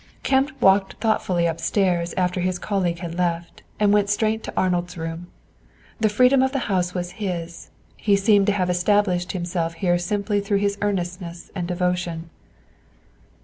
Kemp walked thoughtfully upstairs after his colleague had left, and went straight to Arnold's room. The freedom of the house was his; he seemed to have established himself here simply through his earnestness and devotion.